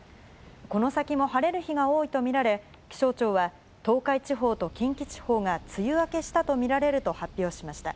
この先も晴れる日が多いと見られ、気象庁は東海地方と近畿地方が梅雨明けしたと見られると発表しました。